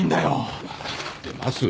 分かってます。